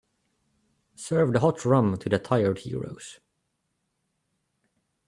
Serve the hot rum to the tired heroes.